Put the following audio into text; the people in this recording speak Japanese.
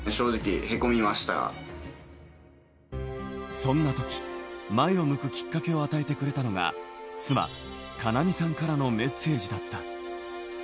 そんなとき前を向くきっかけを与えてくれたのが、妻・香奈美さんからのメッセージだった。